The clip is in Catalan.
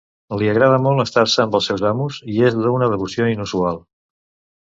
Li agrada molt estar-se amb els seus amos i és d'una devoció inusual.